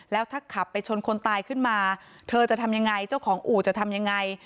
แล้วถ้าขับไปชนคนตายขึ้นมาเธอจะทำยังไงเจ้าของอู่จะทำยังไง